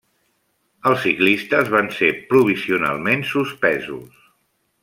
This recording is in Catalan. Els ciclistes van ser provisionalment suspesos.